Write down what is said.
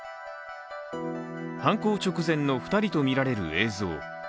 犯行直前の２人とみられる映像。